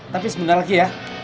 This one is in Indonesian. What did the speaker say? tapi sebentar lagi ya